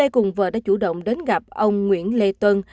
chủ động đến gặp ông nguyễn lê tuân